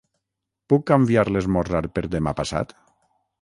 Puc canviar l'esmorzar per demà passat?